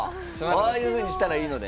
ああいうふうにしたらいいのね。